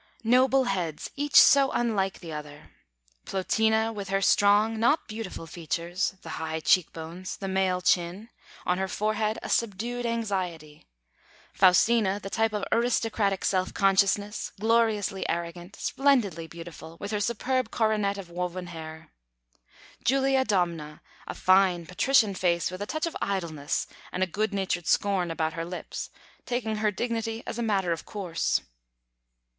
Noble heads, each so unlike the other. Plotina, with her strong, not beautiful, features, the high cheek bones, the male chin; on her forehead a subdued anxiety. Faustina, the type of aristocratic self consciousness, gloriously arrogant, splendidly beautiful, with her superb coronet of woven hair. Julia Domna, a fine, patrician face, with a touch of idleness and good natured scorn about her lips, taking her dignity as a matter of course.